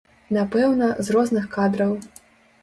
Напэўна, з розных кадраў.